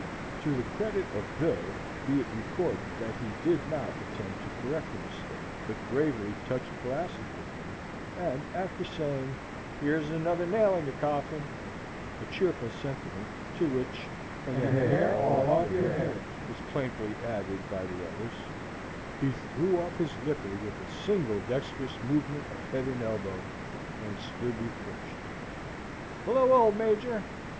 To the credit of Bill be it recorded that he did not attempt to correct the mistake, but gravely touched glasses with him, and after saying "Here's another nail in your coffin," a cheerful sentiment, to which "And the hair all off your head," was playfully added by the others, he threw off his liquor with a single dexterous movement of head and elbow, and stood refreshed. "Hello, old major!"